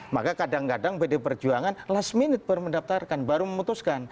maka kadang kadang pdi perjuangan last minute baru mendaftarkan baru memutuskan